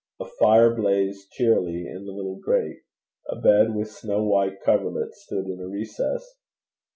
A fire blazed cheerily in the little grate. A bed with snow white coverlet stood in a recess.